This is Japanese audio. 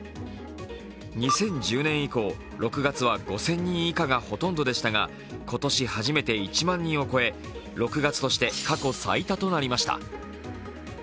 ２０１０年以降、６月は５０００人以下がほとんどでしたが今年初めて１万人を超え６月として過去最多となりました。